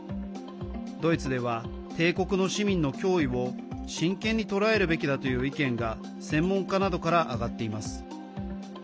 ドイツでは、帝国の市民の脅威を真剣に捉えるべきだという意見が専門家などから上がっています。